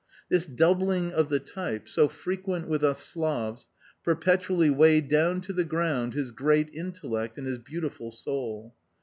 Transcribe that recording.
This doubling of the type, so frequent with us Slavs, perpetually weighed down to the ground his great intellect and his beautiful soul.